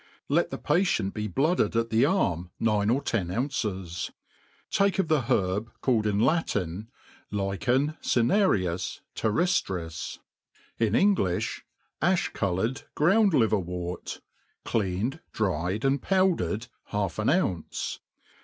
LET the patient be blooded at the arm nine or ten ounces. Take of the herb, called in Latin, lichen cinereus terrejlris^ in Engl i(h,.a(h coloured ground liverwort, cleaned, dried, and povrdered, half an ounce.